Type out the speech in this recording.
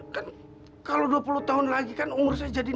kan kalau dua puluh tahun lagi kan umur saya jadi